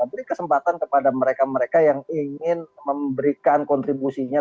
beri kesempatan kepada mereka mereka yang ingin memberikan kontribusinya